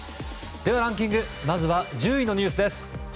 ではランキングまずは１０位のニュースです。